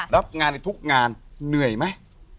รับงานในทุกงานเหนื่อยไหม